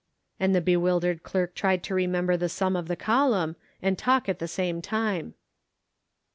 " and the bewildered clerk tried to remember the sum of the column, and talk at the same time.